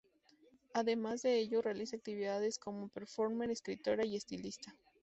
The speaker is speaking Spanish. Además de ello, realiza actividades como performer, escritora y estilista.